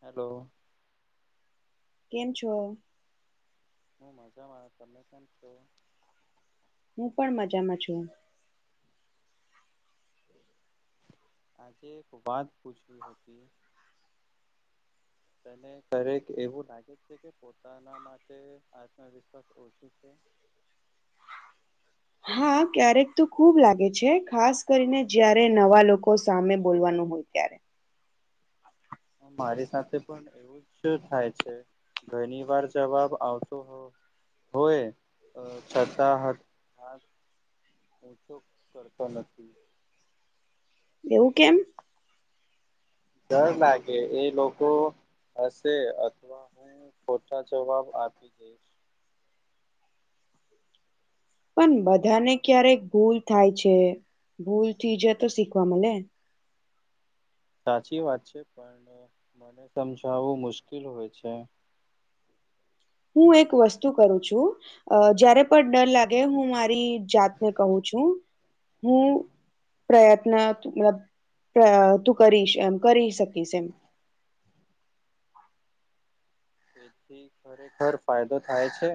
Hello. કેમ છો? હું મજામાં, તમે કેમ છો? હું પણ મજામાં છું. આજે એક વાત પૂછવી હતી. તને કયારેક એવું લાગે છે કે પોતાના માટે આત્મવિશ્વાસ ઓછું છે. [unintelligible] [inaudible] હા ક્યારેક તો ખુબ લાગે છે ખાસ કરીને જયારે નવા લોકો સામે બોલવાનું હોય. ત્યારે. મારી સાથે પણ એવું જ થાય છે. ઘણી વાર જવાબ આવતો હો. હોય છતા હ હ. ઓછો કરતો નથી. એવું કેમ? ડર લાગે એ લોકો હશે અથવા હું. હું ખોટા જવાબ આપી દઈશ. પણ બધાને ક્યારેક ભૂલ થાય છે. ભૂલથી જયા તો શીખવા મલે. સાચી વાત છે પણ મને સમજાવવું મુશ્કેલ હોય છે. હું એક વસ્તુ કરું છું જયારે પણ ડર લાગે હું મા. મારિ જાતને કશ છું, હું. પ્રયત્ન મતલબ તું કરી, કરી શકીશ એમ. [inaudible] તેથી ખરેખર ફાયદો થાય છે.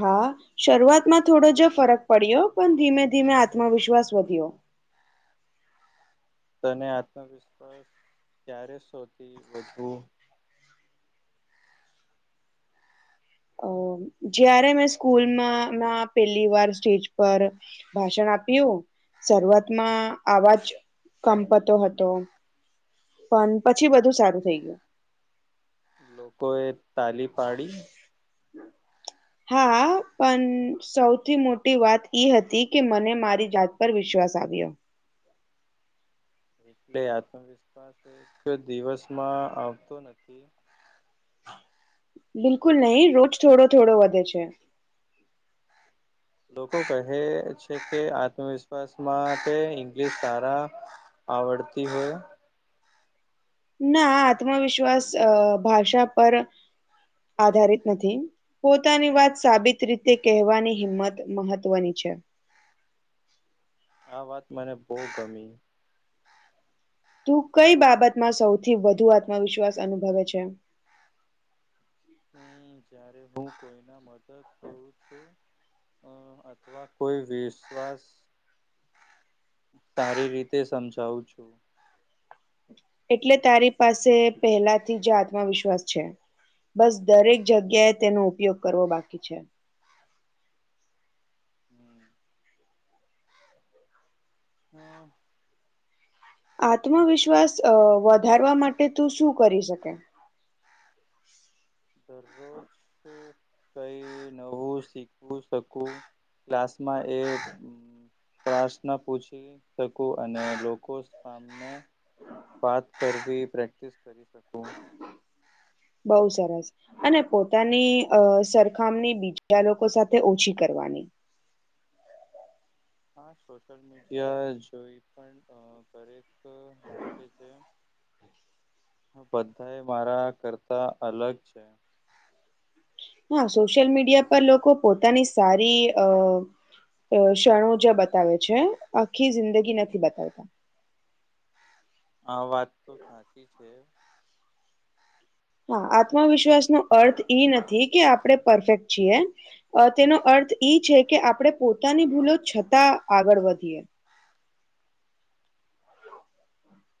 હા, શરૂઆતમાં થોડો જો ફરક પડ્યો, પણ ધીમે ધીમે આત્મવિશ્વાસ વધ્યો. [inaudible] તને આત્મવિશ્વાસ ક્યારે સૌથીી વધુ અ. જયારે મેં સ્કૂલમાંમાં પેલી વાર સ્ટેજ પર ભાષણ આપ આપ્યું. શરૂઆતમાં આવાજ કંપતો હતો. પણ પછી બધું સારું થઇ ગયું. લોકોએ તાલી પાડી. હા, પણ સૌથી મોટી વાત એઈ હતી કે મને મારી જાત પર વિશ્વાસ સાથિયો. એટલે, આત્મવિશ્વાસ એક દિવસમાં આવતો નથી. બિલકુલ નહી. રોજ થોડો થોડો વધે છે. લોકો કહે છે કે, આત્મવિશ્વાસ માટે ઇંગ્લશ તારા આવડતી હોય. ના આત્મવિશ્વાસ ભાષા પર આધારિત નથી. પોતાની વાત સાબિત રીતે કહેવાની હિંમત મહત્વની છે. આ વાત મને બહુ ગમી. તું કઈ બાબતમાં સૌથી વધુ આત્મવિશ્વાસ અનુભવે છે. હમ. જ્યારે હું કોઈને મદદ કરું છું. અ અથવા કોઈ વિશ્વાસ સારી રીતે સમજાવું છું. એટલે, તારી પાસે પહેલાથી જ આત્મવિશ્વાસ છે. બસ દરેક જગ્યાએ તેનો ઉપયોગ કરવો બાકી છે. હમ. હા. આત્મવિશ્વાસ વધારવા માટે તું શું કરી શકે? [inaudible] દરરોજ કઈ નવું શીખવું શકું ક્લાસમાં એ પ્રશ્ન પૂછી શકું? અને લોકો સામે વાત કરવી, પ્રેક્ટિસ કરી શકું. બહુ સરસ. અને પોતાની અ સરખામણી બીજા લોકો સાથે ઓછી કરવાની, હા, સોશિયલ મીડિયા જોઈ પણ રે લાગે છે. બધા મારા કરતા અલગ છે. હા, સોશિયલ મીડિયા પર લોકો પોતાની સારી અ ક્ષણો જ્યાં બતાવે છે, આખી જિંદગી નથી બતાવતા. હા, વાત તો સાચી છે. હા, આત્મવિશ્વાસનો અર્થ એ નથી કે આપણે પરફેક્ટ છીએ, તેનો અર્થ એ છે કે આપણે પોતાની ભૂલો છતાં આગળ વધીએ,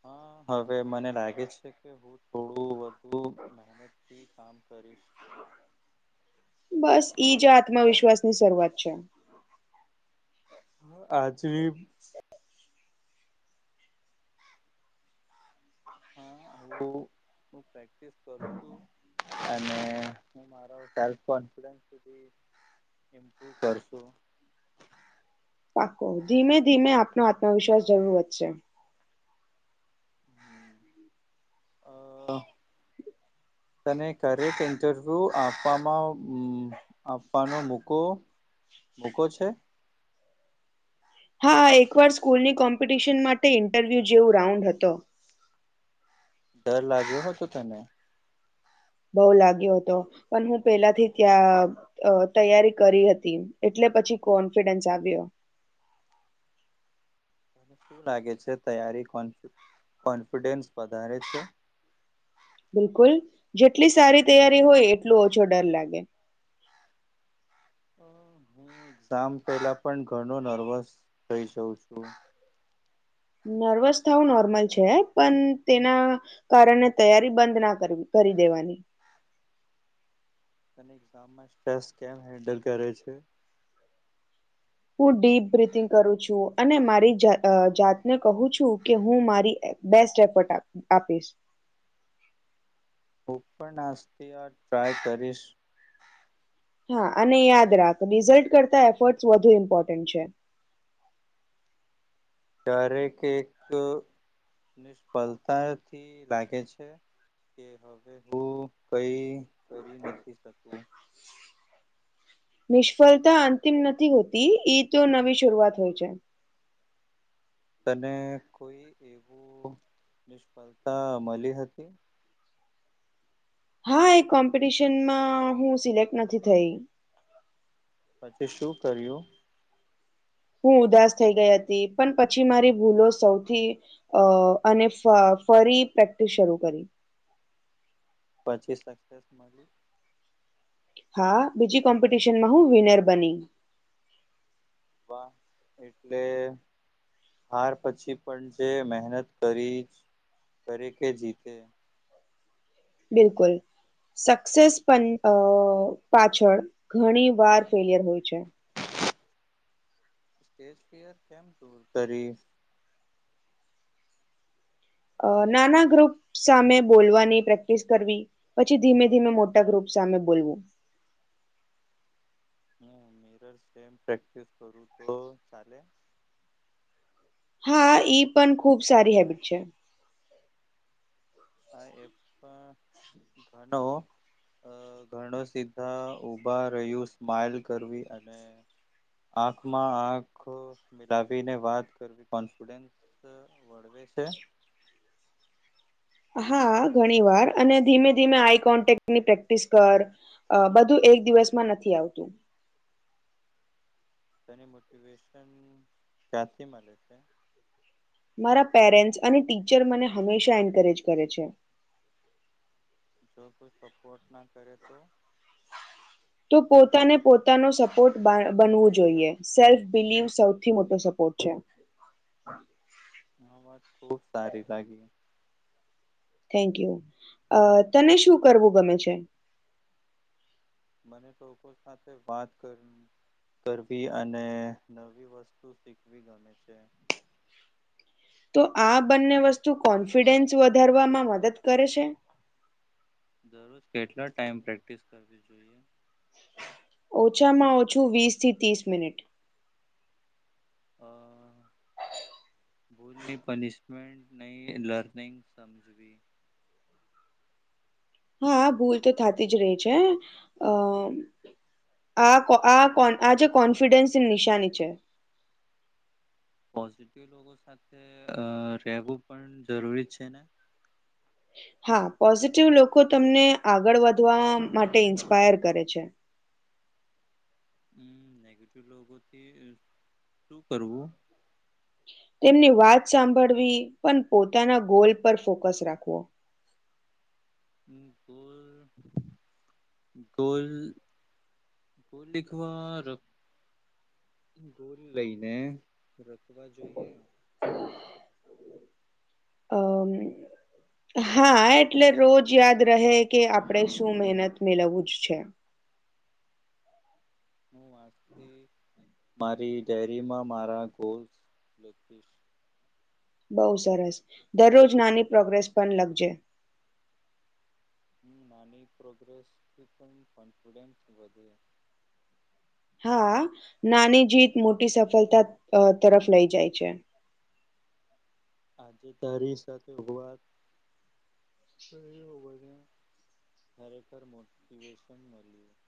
હા, હવે મને લાગે છે કે હું થોડું વધુ મહેનતથી કામ કરીશ, [inaudible] બસ ઈજ આત્મવિશ્વાસની શરૂઆત છે, આજ ભી હા, આવું. પ્રેક્ટિસ કરશુ અને હુ મારો કોન્ફિડન્સ [unintelligible] એમકું કરશો, ધીમે ધીમે આપનો આત્મવિશ્વાસ જરૂર વધશે અ તને કરેક ઇન્ટરવ્યુ આપવામાં અમમ આપવાનો મૂકો મૂકો છે, હા, એકવાર સ્કૂલની કોમ્પિટિશન માટે ઇન્ટરવ્યુ જેવું રાઉન્ડ હતો ડર લાગ્યો હતો તને બઉ લાગ્યો હતો પણ હું પેલાથી ત્યાં અહ તૈયારી કરી હતી એટલે પછી કોન્ફિડન્સ આવ્યો [inaudible] શું લાગે છે તૈયારી કો કોન્ફિડન્સ વધારે છે. [inaudible] બિલકુલ જેટલી સારી તૈયારી હોય એટલું ઓછો ડર લાગે એક્ઝામ પેલા પણ ઘણો નર્વસ થઈ જઉ છું નર્વસ થાવું નોર્મલ છે, પણ તેના કારણે તૈયારી બંધ ના કરવી કરી દેવાની સ્ટ્રેસ કેમ હેન્ડલ કરે છે. હું ડીપ બ્રીથિંગ કરું છું અને મારી જા અહહ જાતને કહું છું કે હું મારી બેસ્ટ એફોર્ટ આપી આપીશ [inaudible] હું પણ નાસ્તીય ટ્રાય કરીશ હા, અને યાદ રાખ રિઝલ્ટ કરતા એફર્ટ વધુ ઇમ્પોર્ટન્ટ છે, [inaudible] ક્યારેક એક ફલતાથી લાગે છે, કે હવે હું કઈ કરી નથી શકું નિષ્ફળતા અંતિમ નથી હોતી ઈ તો નવી શરૂઆત હોય છે, તને કોઈ એવું નિષ્ફળતા મલી હતી હા એ કોમ્પિટિશનમાં હું સિલેક્ટ નથી થઈ પછી શું કર્યું હું ઉદાસ થઈ ગઈ હતી પણ પછી મારી ભૂલો સૌથી અ અને ફરી પ્રેક્ટિસ શરૂ કરી પચીસ લાખ હા, બીજી કોમ્પિટિશનમાં હું વિનર બની એટલે હાર પછી પણ જે મહેનત કરી દરે કે જીતે બિલકુલ સક્સેસ પણ અહહ પાછળ ઘણી વાર ફેલિયર હોય છે. [inaudible] કેમ દૂર કરી અ નાના ગ્રુપ સામે બોલવાની પ્રેક્ટિસ કરવી. પછી ધીમે ધીમે મોટા ગ્રુપ સામે બોલવું [inaudible] [inaudible] પ્રેક્ટિસ કરું તો ચાલે હા ઈ પણ ખુબ સારી હેબિટ છે. હા એ પણ ઘણો અહહ ઘણો સીધા ઉભા રહ્યું સ્માઈલ કરવી અને આંખમાં આંખ અહહ મિલાવીને વાત કરવી, કોન્ફિડન્સ છે. [inaudible] હા ઘણી વાર અને ધીમે ધીમે આઈ કોન્ટેકની પ્રેક્ટિસ કર અહહ બધું એક દિવસમાં નથી આવતું તેને મોટિવેશન ક્યાંથી મળે છે.? મારા પેરેન્ટ અને ટીચર મને હંમેશા એન્કરેજ કરે છે. જો કોઈ સપોર્ટ ના કરે તો? તો પોતાને પોતાનો સપોર્ટ બા બનવું જોઈએ સેલ્ફ બિલીવ સૌથી મોટો સપોર્ટ છે. [inaudible] [unintelligible] ખુબ સારી લાગી. Thank you. તને શું કરવું ગમે છે? મને તો લોકો સાથે વાત કરવી કરવી અને નવી વસ્તુ શીખવી ગમે છે. તો, આ બંને વસ્તુ કોન્ફિડન્સ વધારવામાં મદદ કરે છે? દરરોજ કેટલો ટાઈમ પ્રેક્ટિસ કરવી જોઈએ. ઓછામાં ઓછું વીસ થી ત્રીસ મિનિટ. હા, ભૂલની પનિશમેન્ટ ની લર્નિંગ સમજવી હા ભૂલ તો થાતી જ રે છે. અ આ કો આ કોન આ જે કોન્ફિડન્સની નિશાની છે. પોઝિટિવ લોકો સાથે રહેેવું પણ જરૂરી છે ને.? હા પોઝિટિવ લોકો તમને આગળ વધવા માટે ઇન્સ્પાયર કરે છે. હમ્મ નેગેટિવ લોકો થી શું કરવું? ની વાત સાંભળવી પણ પોતાના ગોલ પર ફોકસ રાખવો. ગોલ થોડીક વાર ગોલ લઈને રખવા જોઈએ. અમ હા એટલે રોજ યાદ રહે કે આપણેે શું મહેનત? મેળવવું જ છે. હું આજથી! મારી ડેરીમાં મારા ગોલ લખીશ. બહુ સરસ દરરોજ નાની પ્રોગ્રેસ પણ લખજે. નાની પ્રોગ્રેસથી પણ કોન્ફિડેન્સ વધે. હા નાની જીત મોટી સફળતા તરફ લઈ જાય છે. આજે તારી સાથે વાત ખરેખર મોટિવેશન મળ્યું.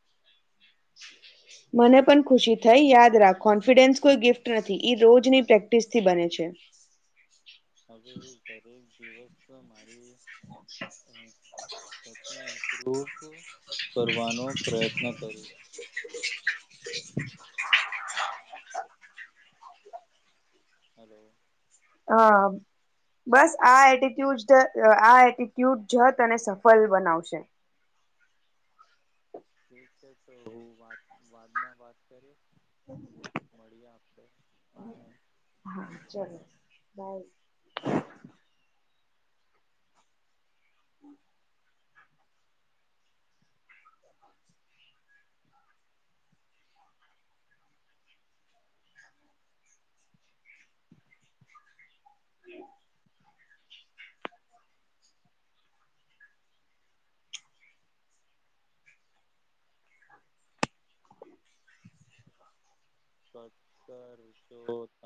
મને પણ ખુશી થઈ યાદ રાખ કોન્ફિડન્સ કોઈ ગિફ્ટ નથી ઈ રોજની પ્રેક્ટિસ થી બને છે. [inaudible] હવે હું દરેક દિવસ જાતને ઇમ્પ્રુવ કરવાનો પ્રયત્ન કરીશ. [inaudible] હલો. હા. બસ આ એટીટ્યુડ આ એટીટ્યુડ જત અને સફલ બનાવશે. ઠીક છે તો વા વાદમાં વાત કરીએ મળીએ આપડે બાય હા ચલો બાય. [unintelligible]